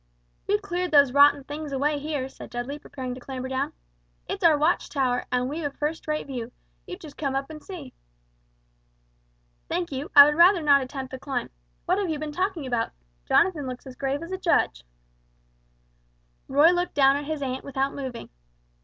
"We've cleared those rotten things away here," said Dudley, preparing to clamber down; "it's our watch tower, and we've a first rate view, you just come up and see!" "Thank you, I would rather not attempt the climb. What have you been talking about? Jonathan looks as grave as a judge." Roy looked down at his aunt without moving.